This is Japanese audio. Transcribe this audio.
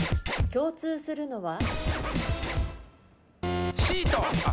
共通するのは？